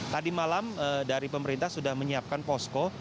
tadi malam dari pemerintah sudah menyiapkan posko